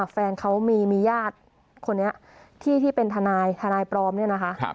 แฟนเขามีญาติคนนี้ที่เป็นทนายทนายปลอมเนี่ยนะคะ